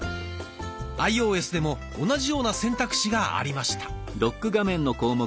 アイオーエスでも同じような選択肢がありました。